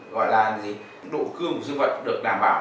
gọi là độ cương của dương vật được đảm bảo